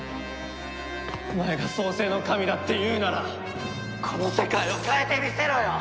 お前が創世の神だっていうならこの世界を変えてみせろよ！